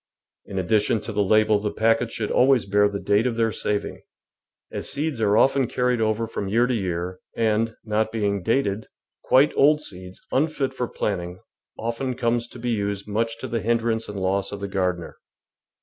In addition to the label the packets should always bear the date of their saving, as seeds are often carried over from year to year, and, not being dated, quite old seeds, unfit for planting, often comes to be used much to the hindrance and loss of the gardener.